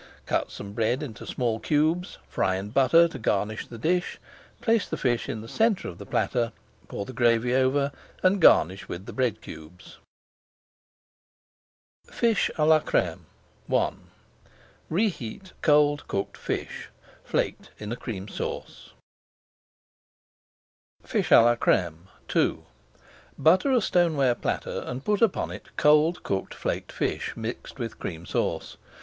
Cut some bread into small cubes, fry in butter to garnish the dish. Place the fish in the centre of the platter, pour the gravy over and garnish with the bread cubes. [Page 460] FISH À LA CRÈME I Reheat cold cooked fish, flaked, in a Cream Sauce. FISH À LA CRÈME II Butter a stoneware platter and put upon it cold cooked flaked fish mixed with Cream Sauce.